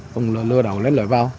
cũng lừa đảo lấy lời vào